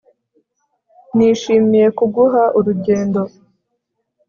Nishimiye kuguha urugendo